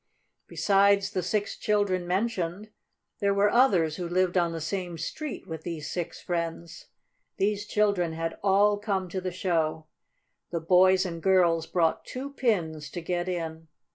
Besides the six children mentioned there were others who lived on the same street with these six friends. These children had all come to the show. The boys and girls brought two pins to get in.